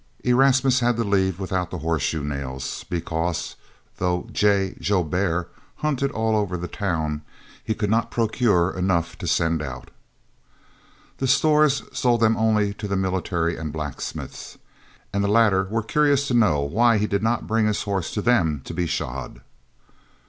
Erasmus had to leave without the horse shoe nails, because, though J. Joubert hunted all over the town, he could not procure enough to send out. The stores sold them only to the military and blacksmiths, and the latter were curious to know why he did not bring his horses to them to be shod.